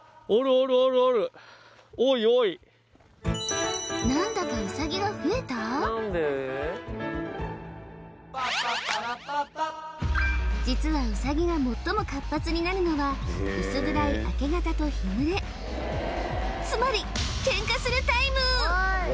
多い多い何だか実はウサギが最も活発になるのは薄暗い明け方と日暮れつまりケンカするタイム！